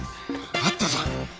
あったぞ。